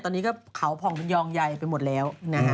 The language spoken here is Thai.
ตอนนี้เขาผ่องเป็นยองใยไปหมดแล้ว